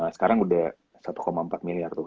sekarang udah satu empat miliar tuh